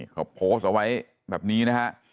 เขาโพสต์เอาไว้แบบนี้นะฮะ